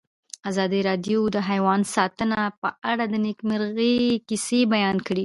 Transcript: ازادي راډیو د حیوان ساتنه په اړه د نېکمرغۍ کیسې بیان کړې.